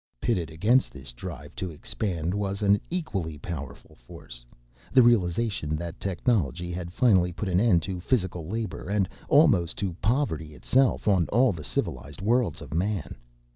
Pitted against this drive to expand was an equally powerful force: the realization that technology had finally put an end to physical labor and almost to poverty itself on all the civilized worlds of man.